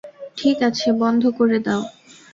ঠিক আছে, বন্ধ করে দাও!